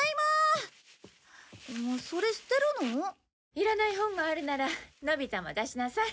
いらない本があるならのび太も出しなさい。